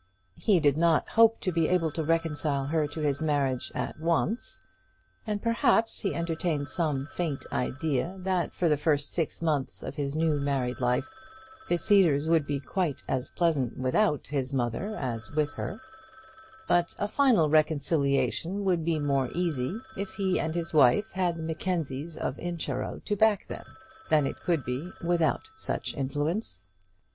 He did not hope to be able to reconcile her to his marriage at once; and perhaps he entertained some faint idea that for the first six months of his new married life the Cedars would be quite as pleasant without his mother as with her; but a final reconciliation would be more easy if he and his wife had the Mackenzies of Incharrow to back them, than it could be without such influence.